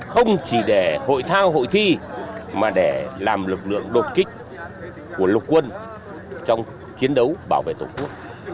không chỉ để hội thao hội thi mà để làm lực lượng đột kích của lục quân trong chiến đấu bảo vệ tổ quốc